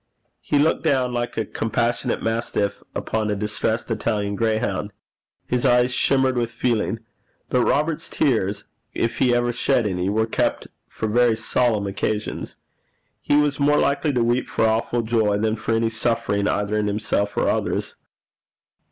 He looked down like a compassionate mastiff upon a distressed Italian grayhound. His eyes shimmered with feeling, but Robert's tears, if he ever shed any, were kept for very solemn occasions. He was more likely to weep for awful joy than for any sufferings either in himself or others.